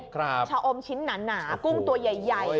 ชาอมชิ้นหนากุ้งตัวใหญ่